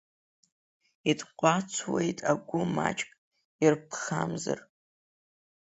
Иҭҟәацуеит агәы маҷк ирԥхамзар.